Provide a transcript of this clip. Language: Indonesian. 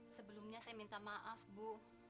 sebelumnya saya minta maaf bu